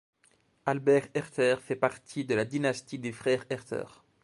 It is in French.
Albert Herter fait partie de la dynastie des frères Herter.